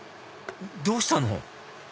どうしたの？